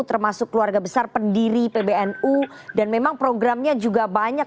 termasuk keluarga besar pendiri pbnu dan memang programnya juga banyak